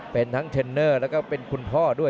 เป็นทั้งเทนเนอร์และเป็นคุณพ่อ